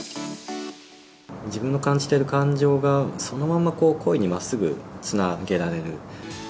自分の感じている感情が、そのままこう声にまっすぐつなげられる。